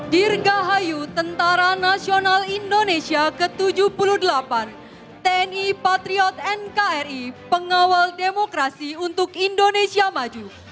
dirgahayu tentara nasional indonesia ke tujuh puluh delapan tni patriot nkri pengawal demokrasi untuk indonesia maju